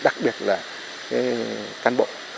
đặc biệt là các cán bộ